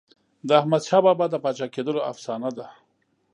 د احمدشاه بابا د پاچا کېدلو افسانه ده.